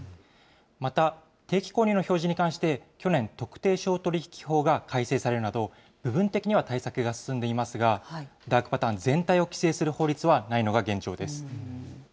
また、定期購入の表示に関して、去年、特定商取引法が改正されるなど、部分的には対策が進んでいますが、ダークパターン全体を規制する法律はないのが現状です。